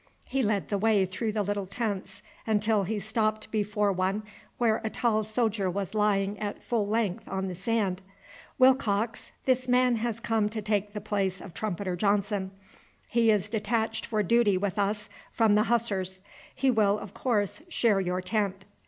He led the way through the little tents until he stopped before one where a tall soldier was lying at full length on the sand. "Willcox, this man has come to take the place of Trumpeter Johnson. He is detached for duty with us from the Hussars. He will, of course, share your tent."